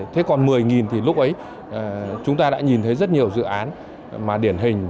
thế còn một mươi thì lúc ấy chúng ta đã nhìn thấy rất nhiều dự án mà điển hình